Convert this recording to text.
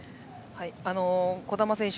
児玉選手